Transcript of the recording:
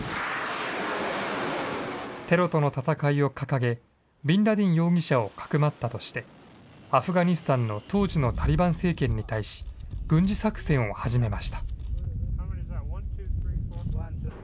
テロとの戦いを掲げ、ビンラディン容疑者をかくまったとして、アフガニスタンの当時のタリバン政権に対し、軍事作戦を始めました。